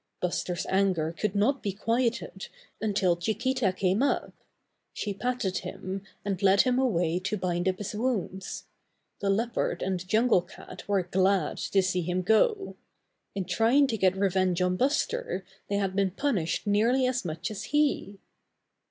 Buster's anger could not be quieted until Chi quita came up. She patted him, and led him away to bind up his wounds. The Leopard and Jungle Cat were glad to see him go. In trying to get revenge on Buster they had been punished nearly as much as he.